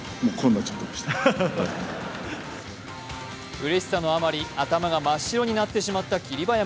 うれしさのあまり、頭が真っ白になってしまった霧馬山。